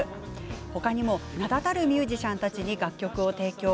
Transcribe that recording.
他にも名だたるミュージシャンたちに楽曲を提供。